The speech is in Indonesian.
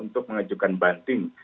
untuk mengajukan banding